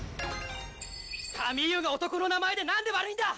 カミーユが男の名前でなんで悪いんだ！